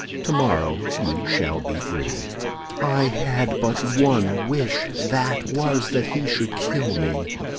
Tomorrow you shall be free.' "I had but one wish; that was that he should kill me.